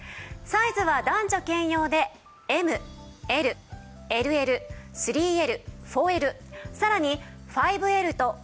サイズは男女兼用でＭＬＬＬ３Ｌ４Ｌさらに５Ｌと６Ｌ